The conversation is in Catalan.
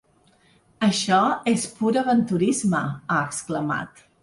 Això és pur aventurisme, ha exclamat.